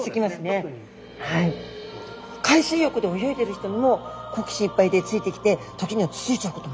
海水浴で泳いでる人にも好奇心いっぱいでついてきて時にはつついちゃうこともあるんですね。